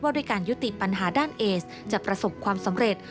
ด้วยการยุติปัญหาด้านเอสจะประสบความสำเร็จ